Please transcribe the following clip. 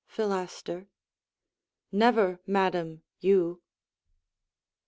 Philaster Never, madam, you.